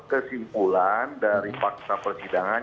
kesimpulan dari fakta persidangan